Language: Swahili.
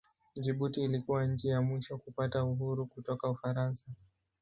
Jibuti ilikuwa nchi ya mwisho kupata uhuru kutoka Ufaransa.